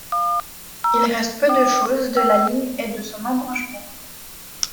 Il reste peu de choses de la ligne et de son embranchement.